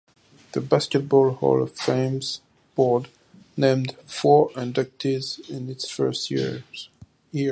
The Basketball Hall of Fame's Board named four inductees in its first year.